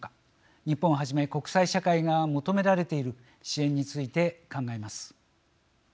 日本をはじめ国際社会が求められている支援について考えます。